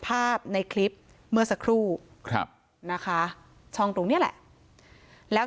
ภาพในคลิปเมื่อสักครู่ครับนะคะช่องตรงนี้แหละแล้ว